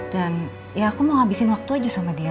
ya aku mau ngabisin waktu aja sama dia